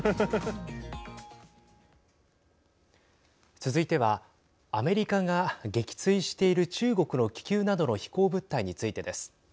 続いてはアメリカが撃墜している中国の気球などの飛行物体についてです。